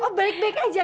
oh balik balik aja